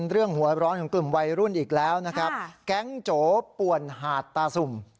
เรื่องหัวร้อนของกลุ่มวัยรุ่นอีกแล้วนะครับแก๊งโจป่วนหาดตาสุ่ม